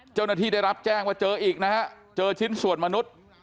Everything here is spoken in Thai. เจ้าหน้าที่ได้รับแจ้งว่าเจออีกนะฮะเจอชิ้นส่วนมนุษย์